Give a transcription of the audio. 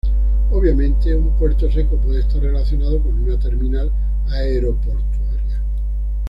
Obviamente, un puerto seco puede estar relacionado con una terminal aeroportuaria.